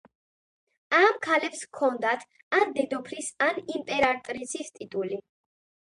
ამ ქალებს ჰქონდათ ან დედოფლის, ან იმპერატრიცის ტიტული.